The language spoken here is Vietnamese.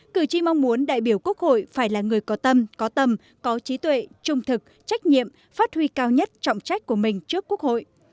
cử tri mong muốn đại biểu quốc hội phải là người có tâm có tầm có trí tuệ trung thực trách nhiệm phát huy cao nhất trọng trách của mình trước quốc hội